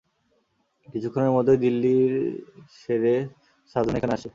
কিছুক্ষণের মধ্যেই দিল্লির সেরে সার্জন এখানে আসছে।